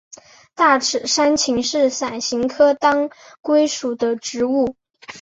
大齿山芹是伞形科当归属的植物。